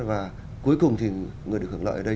và cuối cùng người được hưởng lợi ở đây